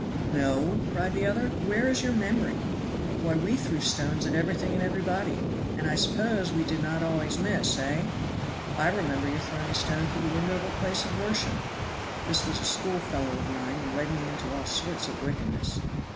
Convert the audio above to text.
"No?" cried the other, "where is your memory? Why, we threw stones at everything and everybody, and I suppose we did not always miss, eh? I remember your throwing a stone through the window of a place of worship (this was a school fellow of mine, and led me into all sorts of wickedness).